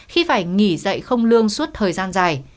khi phải nghỉ dạy không lương suốt thời gian dài